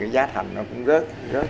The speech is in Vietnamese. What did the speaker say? giá thành nó cũng rớt